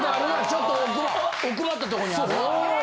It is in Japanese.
ちょっと奥まったとこにあるな。